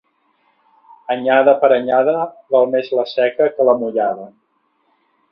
Anyada per anyada, val més la seca que la mullada.